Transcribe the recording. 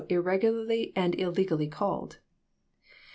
irregularly and illegally called.